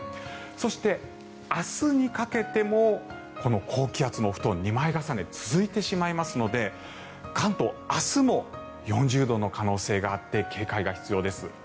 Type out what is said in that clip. そして、明日にかけてもこの高気圧のお布団２枚重ねが続いてしまいますので関東、明日も４０度の可能性があって警戒が必要です。